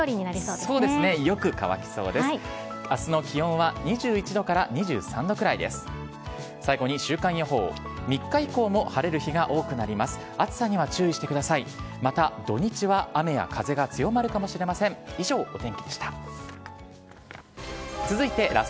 あすの気温は２１度から２３度くらいです。